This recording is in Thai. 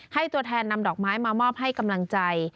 ตัวแทนนำดอกไม้มามอบให้กำลังใจ